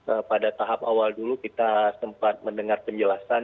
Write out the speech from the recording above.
nah pada tahap awal dulu kita sempat mendengar penjelasan